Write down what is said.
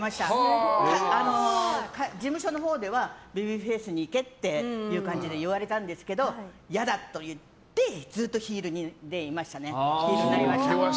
事務所のほうではベビーフェイスにいけっていう感じで言われたんですけど嫌だと言ってずっとヒールでいましたね。